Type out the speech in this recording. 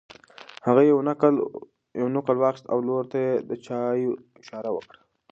هغې یو نقل واخیست او لور ته یې د چایو اشاره وکړه.